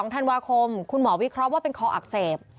๒ธันวาคมคุณหมอวิเคราะห์ว่าเป็นคออักเสบ